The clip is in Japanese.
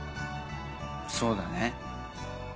そうだね。